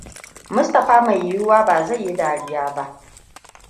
Mustapha mai yiwuwa ba zai yi dariya ba.